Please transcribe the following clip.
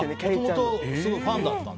もともとファンだったんだ。